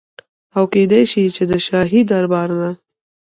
او کيدی شي چي د شاهي دربار نه